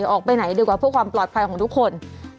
ออกไปไหนดีกว่าเพื่อความปลอดภัยของทุกคน